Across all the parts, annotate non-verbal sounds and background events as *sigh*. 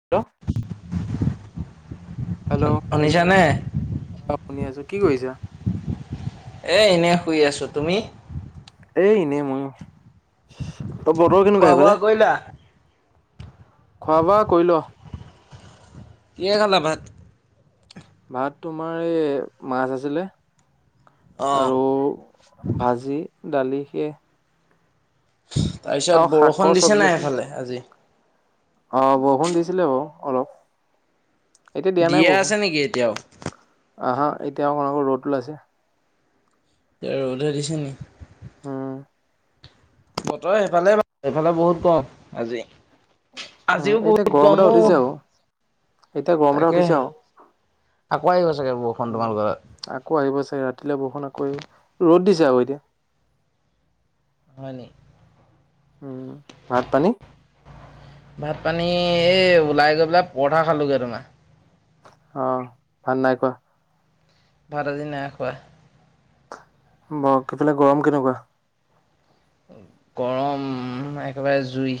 Hello hello শুনিছানে? অ শুনি আছো কি কৰিছা এ এনে শুই আছো তুমি এ এনেই ময়ো ত বতৰ কেনেকুৱা খোৱা বোৱা সেইফালে কৰিলা? খোৱা বোৱা কৰি ল কিহে খালা ভাত ভাত তোমাৰ এই মাছ আছিলে অঁ আৰু ভাজি দালি সেয়ে আৰু তাৰপিছত শাকৰ বৰষুণ দিছে চব্জি নাই আছিলে। সেফালে আজি অ বৰষুণ দিছিলে বাও অলপ এতিয়া দিয়া নাই দিয়ে বৰষুণ আছে নেকি এতিয়াও আহা এতিয়া আকৌ অকন অকন ৰ'দ ওলাইছে এ, ৰ'দে দিছে নি? উম বতৰ সেইফালে এফালে বহুত কম আজি উম আজিও এতিয়া বহুত গৰম এটা উঠিছে আকৌ *unintelligible* এতিয়া গৰম এটা তাকে উঠিছে আও আকৌ আহিব চাগে বৰষুণ উম, তোমালোকৰ তাত আকৌ আহিব চাগে? ৰাতিলৈ বৰষুণ আকৌ আহিব, ৰ'দ দিছে। যাব এতিয়া। হয় নি? উম, ভাত, পানী? ভাত পানী, এই ওলাই গৈ পেলে পৰঠা খালোগে তোমাৰ। অহ ভাল নাই কোৱা। ভাত আজি নাই খোৱা। ব' তোৰফালে গৰম কেনেকুৱা? গৰম, একেবাৰে জুই।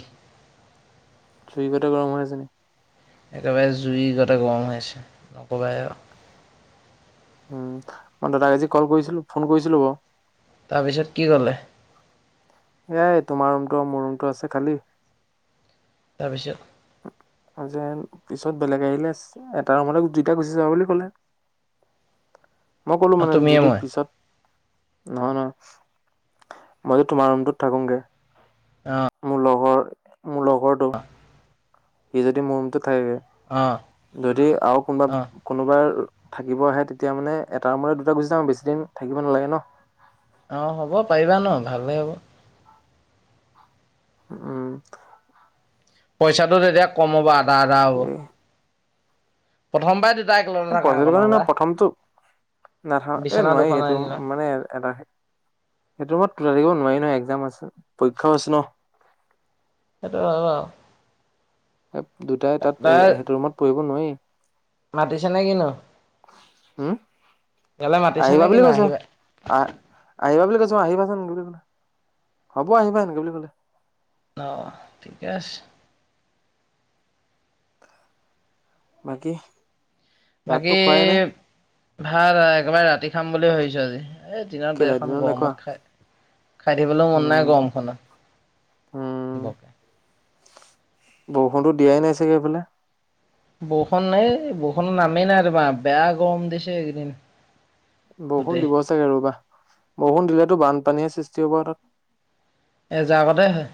চুইকতে গৰম হৈ আছে নেকি? একেবাৰে জুই গতে গৰম হৈ আছে, নকবাই। উম, মই দাদাক আজি ক'ল কৰিছিলো। ফোন কৰিছিলো। *unintelligible* তাৰপিছত, কি ক'লে? এয়াই তোমাৰ ৰুমটো আৰু মোৰ ৰুমটো আছে খালি। তাৰপিছত আৰযেন পিছত বেলেগ আহিলে এটা ৰুমতে দুইটা গুচি যাব বুলি ক'লে। মই ক'লো অ মানে তুমিয়ে যদি মই পিছত নহয় নহয়। মই যদি তোমাৰ ৰুমটোত থাকোংগে। অ',। মোৰ লগৰ মোৰ লগৰটো অহ। সি যদি মোৰ ৰুমটোত থাকেগে। অ যদি আৰু অ কোনোবা কোনোবাৰ থাকিব আহে তেতিয়া মানে এটা ৰুমতে দুটা গুচি যাম। বেছি দিন থাকিব নালাগে ন'। অ হ'ব পাৰিবা ন'? ভালে হ'ব। উ উম। পইচাটো তেতিয়া কম হ'ব আধা আধা হ'ব। এ প্ৰথমবাৰ পইচাটোৰ কাৰণে ন প্ৰথমটো নাথাওঁ এ বিচনা নোৱাৰি দুখন এইটো আনিলা মানে এটা, সেইটো মত থাকিব নোৱাৰি ন একজাম আছে, পৰীক্ষাও আছে ন। সাইটটো হয় বাৰু। দুটাই তাত তাই সেইটো ৰুমত পৰিব নোৱাৰি। মাতিছে নে কিনো? উম, ইয়ালে মাতিছে নে আহিবা বুলি কিনো কৈছ আহিবা আহ আহিবা বুলি কৈছো আহিবাচোন বুলি, হ'ব আহিবা অনেকে বুলি ক'লে। অহ ঠিকে আছে। বাকী বাকী ভাতটো খোৱাই নাই ভাল একেবাৰে ৰাতি খাম বুলি ভাবিছো আজি। এই দিনত দে কেলে এখন নোখোৱা গৰমত খাই, খাই থিবলৈ মন উম নাই গৰমখনত। বক বৰষুণো দিয়াই নাই চাগে এইফালে। বৰষু এই বৰষূণ নামেই নাই তোমাৰ, বেয়া গৰম দিছে এইকদিন। বৰষুণ দিব চাগে ৰ'বা, বৰষুণ দিলেতো বানপানীহে সৃষ্টি হ'ব তাত। এজাকতে হয়।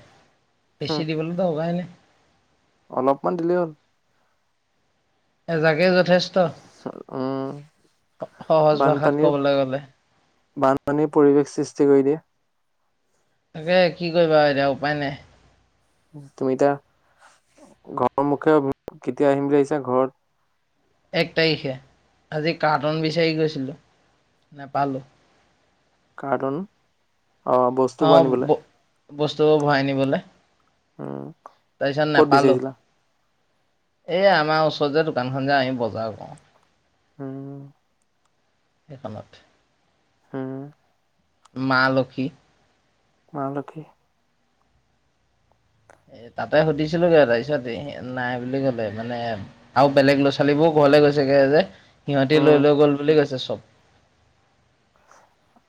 বছি হম দিবলৈ দৰকাৰে নাই। অলপমান দিলেই হ'ল এ জাগে যদি যথেষ্ট, উম সহজ ভাষাত বানপানীৰ ক'বলৈ গলে। বানপানীৰ পৰিৱেশ সৃষ্টি কৰি দিয়ে। তাকে কি কৰিবা এতিয়া উপায় নাই। তুমিতা ঘৰৰ মুখে কেতিয়া আহিম বুলি আহিছে ঘৰত? এক তাৰিশে, আজি কৰ্তন বিচাৰি গৈছিল, নাপালোঁ। কৰ্তন অ' ব-বস্তুবোৰ ভৰাই নিবলে। উম তাৰপিছত ক'ত নোপালো, বিচাৰিছিলা এ আমাৰ ওচৰত ওচৰ যে দোকানখন যে আমি বজাৰ কৰোঁ। উম। হেইষণত। হম। মা লক্ষী। মা লক্ষ্মী। এ তাতে সুধিছিলোগে তাৰপিছতে নাই বুলি ক'লে মানে আৰু বেলেগ ল' ছোৱালীবোৰ ক কলে গৈছেগে যে সিহঁতি উম লৈ লৈ গ'ল বুলি কৈছে চব।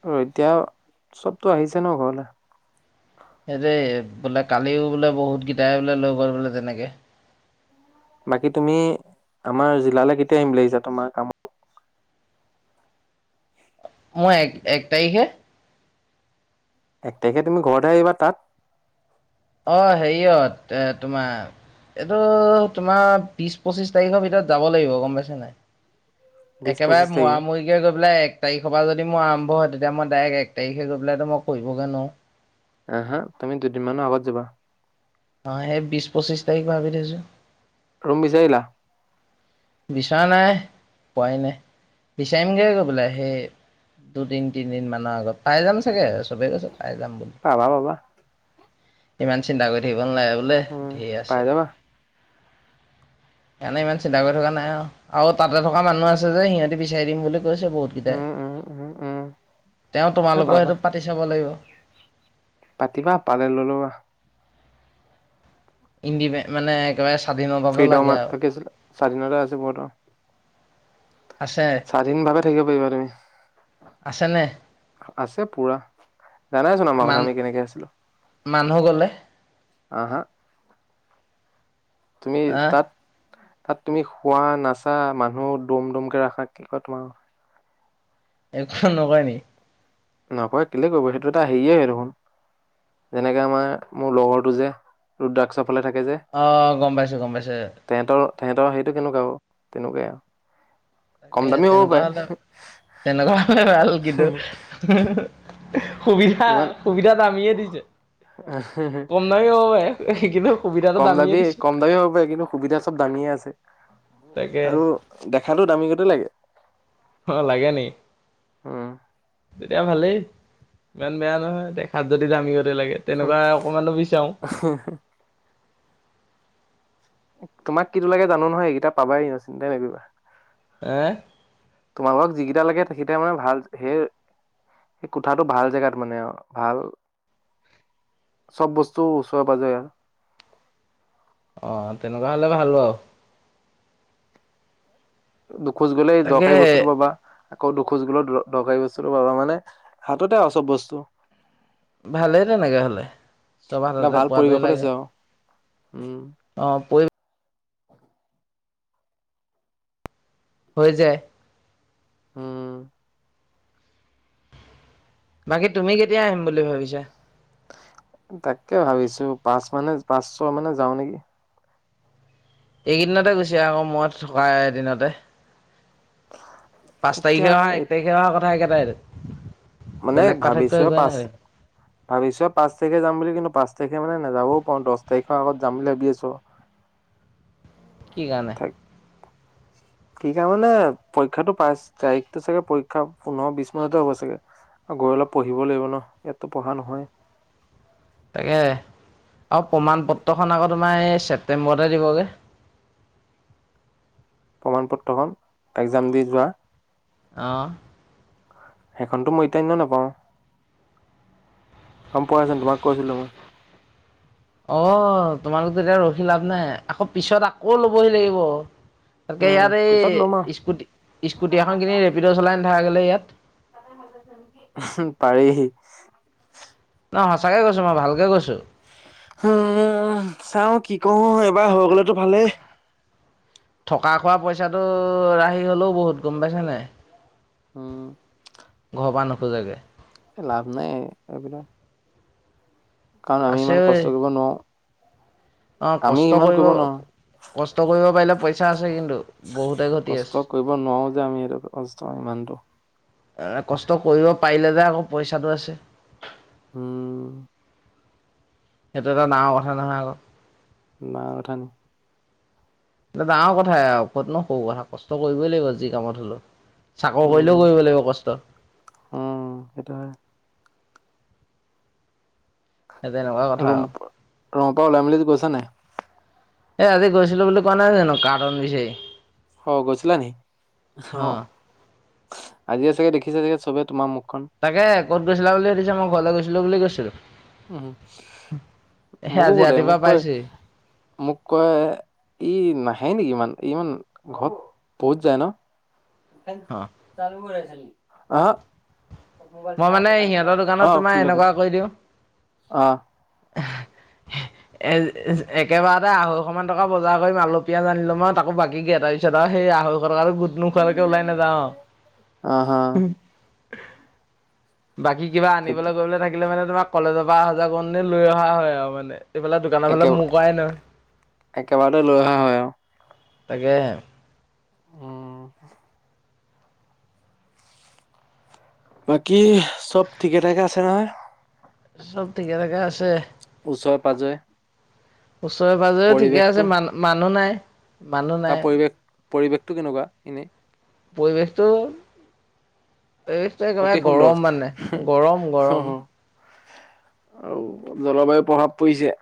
অ' এতিয়া চবতো আহিছে ন ঘৰলে। সেইটোৱে, বোলে কালিও বোলে বহুত কেইটাই বোলে লৈ গল বোলে তেনেকে। বাকী তুমি আমাৰ জিলালৈ কেতিয়া আহিম বুলি আহিছা তোমাৰ কামত মই এক-এক তাৰিখে। এক টাৰিশে তুমি ঘৰতে আহিবা তাত? অ', হেৰিয়ত এ তোমাৰ এইটো তোমাৰ বিশ, পঁচিশ তাৰিখৰ ভিতৰত যাব লাগিব গম পাইছে নাই। বিশ পঁচিশ একেবাৰে মৰা তাৰিখে মৰিকে গৈ পেলাই এক তাৰিখৰ পৰা যদি মোৰ আৰম্ভ হয় তেতিয়া মই ডাইৰেক্ট এক তাৰিখে গৈ পেলাইোটো মই কৰিবগে নুৱাও। আহ হা তুমি দুদিন মানৰ আগাত যাবা। অ', সেই বিশ, পঁচিশ তাৰিখ ভাবি থৈছো। ৰুম বিচাৰিলা? বিচৰা নাই পোৱাই নাই, বিচাৰিমগে গৈ পেলাই সেই দুদিন তিনিদিন মানৰ আগত পাই যাম চাগে। বাবে কৈছে পাই যাম বুলি পাবা পাবা ইমান চিন্তা কৰি থাক *unintelligible* বোলে উম ধেৰ আছে। পাই যাবা এনে ইমান চিন্তা কৰি থকা না নাই আৰু। তাতে থকা মানুহ আছে যে সিহঁতে বিচাৰি দিম বুলি গৈছে বহুত কিটাই। উম উম উম উম তেওঁ এই তোমালোকৰ পাবা হেইটোত পাতি চাব লাগিব পাতিবা। পালে লৈ লবা ইণ্ডিপেন- মানে একেবাৰে স্বাধীনতাটো ফ্ৰীডম লাগে আ- আৰু কি আছিলে স্বাধীনতা আছে বহুতৰ আছে স্বাধীন ভাৱে থাকিব পাৰিবা তুমি আছেনে আছে পুৰা। জানাইচোন আমাৰ মান কথা, আমি কেনেকে আছিলো। মানুহ গলে আহ হা। তুমি আহ তাত? তাত তুমি শোৱা নাচা মানুহ দম দমকে ৰাখা কি কয় তোমাৰ একো নকয় নেকি? নকয়। কেলে কৰিব। সেইটো এটা হেৰিয়ে হয় দেখোন যেনেকে আমাৰ মোৰ লগৰটো যে ৰুদ্ৰাক্ষ চাপ অকলে থাকে যে। অ গম পাইছো গম পাইছো তেঁহতৰ তেহেঁতৰ সেইটো কেনেকুৱা বাও? তেনেকুৱাই আৰু কম তাকে দামী হ'ব তেনেকুৱা পাৰে হলে, তেনেকুৱা হলে ভাল। কিন্তু সুবিধা। ইমান সুবিধা মামীয়ে দিছে। *unintelligible* শিকিলো। কম দামী -কম দামী হ'ব পাৰে। কিন্তু সুবিধা চব দামীয়ে আছে। তাকে আৰু দেখাতটো দামী গতে লাগে। অ' লাগে নে হম। তেতিয়া ভালেই ইমান বেয়া নহয়, দেখাত যদি দামী লাগে। হুম। তেনেকুৱা অকমানো বিচাও। তোমাক কিটো লাগে জানো নহয়, এইকেইটা পাবাই। চিন্তাই নকৰিবা। এহ। আমাক যিকেইটা লাগে সেই মানে ভাল ধেৰ। সেই কোঠাটো ভাল জেগাত মানে আও। ভাল চব বস্তু ওচৰে-পাঁজৰে আৰু অ তেনেকুৱা হলে ভাল বাও খোজ গলেই তাকে দৰকাৰী বস্তুতটো পাবা আকৌ দুখোজ গলত দৰকাৰী বস্তুটো পাবা মানে, হাততে আৰু চব বস্তু ভালেই তেনেকে হলে, চব এটা হাততে ভাল পোৱাটোৱেই পৰিৱেশত লাগে। আছে আৰু অ'হ। প হৈ যায়। হম। বাকী তুমি কেতিয়া আহিম বুলি ভাবিছা? তাকে ভাবিছো পাঁচ মানে পাঁচছয় মানে যাওঁ নেকি? এইকেইদিনতে গুছি আহ আকৌ মই থকাই এদিনতে। পাঁচ এতিয়া তাৰিখে অহা-এক তাৰিখে অহা -কথা একেইটাই দে মানে ভাবিছোয়ে পাঁচ ভাবিছোয়ে পাঁচ তাৰিখে যাম বুলি কিন্তু পাঁচ তাৰিকে মানে নাযাবও পাৰো দহ তাৰিখৰ আগত যাম বুলি ভাবি আছোঁ। কি কাৰণে? কি কাৰণে, মানে পৰীক্ষাটো পাইচ তাৰিখতটো চাগে পৰীক্ষা পোন্ধৰ -বিশ মানতে হ'ব চাগে। আ গৈ অলপ পঢ়িব লাগিব ন। ইয়াতটো পঢ়া নহয়। তাকেহ। অ'প্ৰমাণ পত্ৰখন আকৌ তোমাৰ এই ছেপ্তেম্বৰতহে দিবগে। *inaudible* প্ৰমাণ পত্ৰখন একজাম দি যোৱা অ', সেইখনতো মই এতিয়া এনেওঁ নাপাওঁ। *unintelligible* তোমাক কৈছিলোঁ মই৷ অ' তোমালোক তেতিয়া ৰখি লাভ নাই৷আকৌ পিছত আকৌ লবহি লাগিব৷ তাকে উম ইয়াত পিছত ল'ম এই আৰু স্কুটি-স্কুটি এখন কিনি ৰেপিড চলাই নথাকা কেলে ইয়াত? *unintelligible* পাৰি। সচাঁকে কৈছোঁ মই, ভালকে কৈছোঁ৷ *unintelligible* চাওঁ কি কৰো এবাৰ হৈ গলেতো ভালেই৷ থকা খোৱা পইচাটো ৰাহি হলেও বহুত গম পাইছা নাই? উম, খুজাই দে। লাভ নাই এইবিলাক। কাৰণ আমি আছে ইমান কষ্ট কৰিব অ নোৱাৰো৷ আমি কষ্ট ইমান কৰিব কষ্ট কৰিব পাৰিলে পইচা নোৱাৰো৷ আছে কিন্তু বহুতে *unintelligible* ঘটি আছে কষ্ট কৰিব নোৱাৰো যে আমি এইটো কষ্ট হয় ইমান। *unintelligible* এ কষ্ট কৰিব পাৰিলে যে আকৌ পইচাটো আছে৷ উম। সেইটো এটা ডাঙৰ কথা নহয় আকৌ৷ নাই উঠা নি? ডাঙৰ কথাই আৰু ক'তনো সৰু কথা? কষ্ট কৰিবই লাগিব যি কামত হলেও৷ চাকৰ উম কৰিলেও কৰিব লাগিব কষ্ট৷ উম সেইটো হয় সেই তেনেকুৱা কথা ৰুম আৰু। ৰুমৰ পৰা উলাই মেলি গৈছা নাই? এ আজি গৈছিলো বুলি কোৱা নাই জানো? কাৰ্টন বিছাৰি। অহ গৈছিলা নি? অহ, আজিয়ে চাগে দেখিছে চাগে চবে তোমাৰ মুখ তাকে ক'ত গৈছিলা বুলি সুধিছে মই ঘৰলৈ গৈছিলো বুলি কৈছিলো৷ উম, সেই মোকো আজি সোধে? ৰাতিপুৱা মোক কয় পাইছোহি মোক কয় ই নাহ নাহে নেকি ইমান ইমান ঘৰত বহুত যায় ন? অ *unintelligible* অহ হ। মই মোবাইলটো মানে সিহঁতৰ *unintelligible* দোকানত অ তোমাৰ খুলি দিয়ক৷ এনেকুৱা কৰি দিওঁ অ। *inaudible* এজ এজ একেবাৰতে আঢ়ৈশ মান টকাৰ বজাৰ কৰিম আলু, পিয়াঁজ আনিলো মই তাকো বাকী কে। তাৰপিছত আ অ সেই আঢ়ৈশ টকাটো গোট নোখোৱালৈকে ওলাই নাযাওঁ অ হা আৰু। বাকী কিবা ঠিক আনিবলৈ-কৰিবলৈ থাকিলে মানে ধৰা কলেজৰ পৰা অহা যোৱা কৰোতে লৈ অহা হয় আৰু মানে৷ এইফালে দোকানৰ একে ফালে মুৰ কৰাই নহ একেবাৰতে লৈ অহা হয় আৰু তাকে হে। উম। বাকী চব ঠিকে-ঠাকে আছে নহয়? চব ঠিকে-থাকে আছে? ওচৰে-পাজৰে ওচৰে পাজৰেও ঠিকে আছে মান মানুহ নাই। মানুহ তাৰ নাই পৰিৱেশ পৰিৱেশটো কেনেকুৱা এনেই? পৰিৱেশটো পৰিৱেশটো অতি একেবাৰে সুন্দৰ গৰম মানে, গৰম অ গৰম। আৰু জলবায়ুৰ প্ৰভাৱ পৰিছে'৷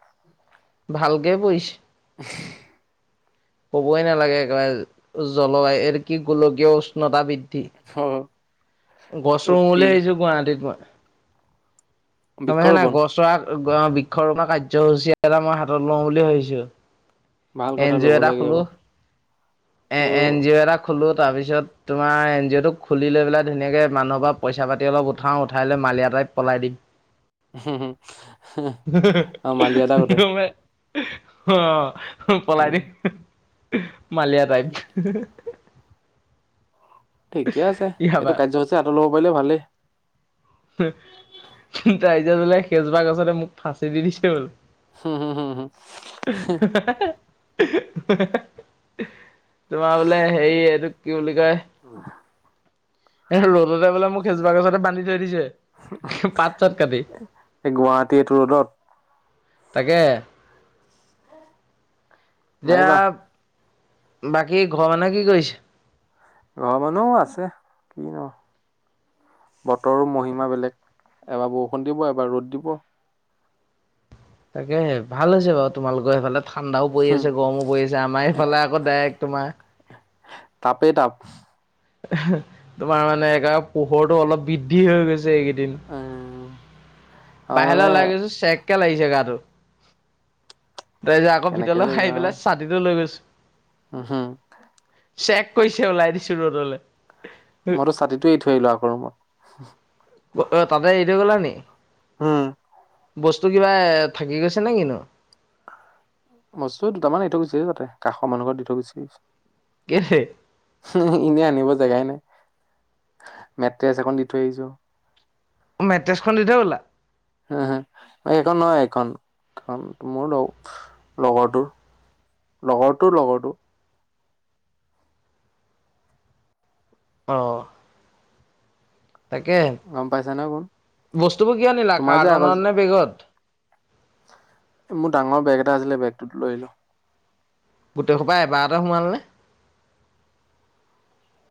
ভালকে পইচে *unintelligible* ক'বই নালাগে একেবাৰে জলবায়ু এইটো কি গোলকীয় উষ্ণতা বৃদ হ'। গছ ৰুম বুলি ভাবিছোঁ গুৱাহাটীত মই। তাৰে হে নাই বৃক্ষৰোপন গছৰা বৃক্ষ ৰোপন কাৰ্যসূচী এটা মই হাতত লওঁ বুলি ভাবিছো ভাল এন কথা জি ল'ব অ' এটা লাগে খোলো এইবোৰ এ এইবোৰ এন জি অ' এটা খোলো তাৰপিছত তোমাৰ এন জি অ'টোক খুলি লৈ পেলাই ধুনীয়াকে মানুহৰ পৰা পইচা পাতি অলপ উঠাও উঠাই লৈ মালিয়া টাই পলাই দিম হে হে আমাৰ মালিয়া দা হে হঁতে হে হে অহ পলাই উম দিম মালিয়া টাইপ। ঠিক ঠিকে আছে ইয়াৰ এইটো পৰা কাৰ্যসূচী হাতত ল'ব পাৰিলে ভালেই। তাৰি যেত বোলে সেইজোপা গছতে মোক ফাঁচি দি দিছে বোল হম হুম হুম তোমাৰ বোলে হেৰি এইটোক কি বুলি কয় এ ৰ'দতে বোলে মোক বোলে সেইজোপা গছতে বান্ধি থৈ দিছে পাত চাত কাটি এই গুৱাহাটী এইটো ৰদত তাকে মাৰিবা এতিয়া বাকী ঘৰ মানুহে কি কৰিছে ঘৰৰ মানুহও আছে কি নো বতৰো মহিমা বেলেগ এবাৰ বৰষুণ দিব এবাৰ ৰ'দ দিব তাকে ভাল হৈছে বাৰু তোমালোকৰ সেইফালে ঠাণ্ডাও পৰি হম আছে গৰমো পৰি আছে আমাৰ এইফালে আকৌ ডাইৰেক্ট তোমাৰ তাপেই তাপ তোমাৰ মানে এক পোহৰটো অলপ বৃদ্ধি হৈ গৈছে এইকেইদিন উম আৰু বাহিৰলৈ মানে ওলাই গৈছো চেককে লাগিছে গাটো তাৰপিছত আকৌ ভিতৰলৈ আহি পেলা ছাতিটো লৈ গৈছো উম হম চেক কৰিছে ওলাই দিছো ৰ'দলৈ মইতো ছাতিটোয়ে এ থৈ আহিলো আকৌ ৰুমত তাতে এই থৈ গ'লা নি হম বস্তু কিবা থাকি গৈছে নে কিনো মস্তু দুটামান দি থৈ গুচি আহিছো তাতে কাষৰ মানুহ এঘৰত দি থৈ গুচি আহিছো কেলে? এনে আনিব জেগাই নাই মেট্ৰেছ এখন দি থৈ আহিছো মেট্ৰছখন দি থৈ গলা হ হ এখন নহয় এখন কাৰ মোৰ লগ লগৰটোৰ লগৰটোৰ লগৰটো অ', তাকে গম পাইছা নহয় কোন বস্তুবোৰ কিয় নিলা তোমাৰ যে কাৰটান আগত নে বেগত মোৰ ডাঙৰ বেগ এটা আছিলে বেগটোত লৈ আহিলো গোটেইখোপা এবাৰতে সোমালেনে